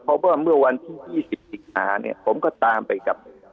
เพราะว่าเมื่อวันที่๒๙ผมก็ตามไปกับ